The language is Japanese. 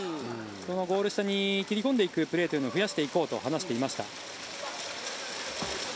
ゴール下に切り込んでいくプレーを増やしていこうと話していました。